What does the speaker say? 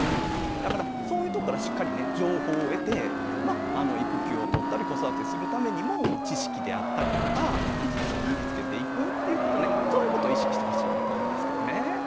だからそういうとこからしっかりね情報を得てまあ育休をとったり子育てするためにも知識であったりとか技術を身につけていくっていうことねそういうことを意識してほしいなと思いますけどね。